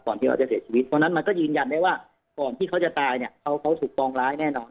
ที่เราจะเสียชีวิตเพราะฉะนั้นมันก็ยืนยันได้ว่าก่อนที่เขาจะตายเนี่ยเขาถูกฟ้องร้ายแน่นอน